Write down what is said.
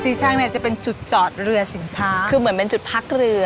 ช่างเนี่ยจะเป็นจุดจอดเรือสินค้าคือเหมือนเป็นจุดพักเรือ